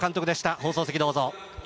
放送席、どうぞ。